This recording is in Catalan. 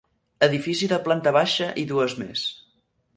Edifici de planta baixa i dues més.